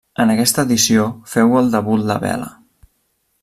En aquesta edició féu el debut la vela.